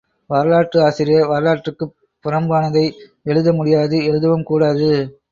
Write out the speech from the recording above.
வரலாற்று ஆசிரியர் வரலாற்றுக்குப் புறம்பானதை எழுத முடியாது எழுதவும் கூடாது.